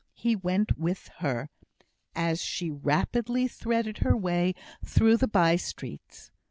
He went with her, as she rapidly threaded her way through the by streets.